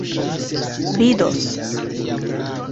vidos